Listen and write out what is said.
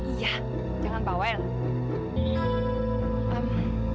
iya jangan pak wendt